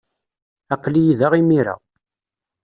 Aql-iyi da imir-a.